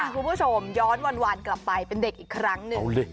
คุณผู้ชมย้อนวันกลับไปเป็นเด็กอีกครั้งหนึ่ง